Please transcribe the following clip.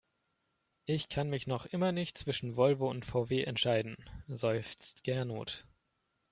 Ich kann mich noch immer nicht zwischen Volvo und VW entscheiden, seufzt Gernot.